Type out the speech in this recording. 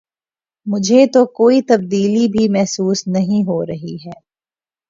مجھے تو کوئی تبدیلی بھی محسوس نہیں ہو رہی ہے۔